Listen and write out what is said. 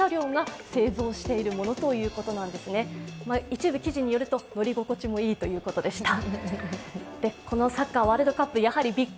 一部記事によると乗り心地もいいということでした。